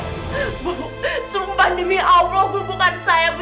sumpah demi allah bu bukan saya bu